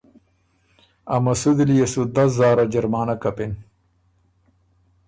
ا مسودی ليې سو دس زاره جرمانۀ کپِن